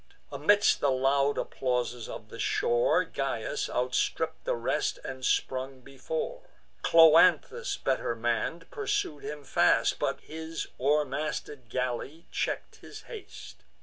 Amidst the loud applauses of the shore, Gyas outstripp'd the rest, and sprung before: Cloanthus, better mann'd, pursued him fast, But his o'er masted galley check'd his haste.